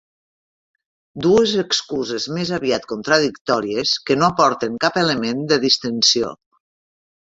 Dues excuses més aviat contradictòries que no aporten cap element de distensió.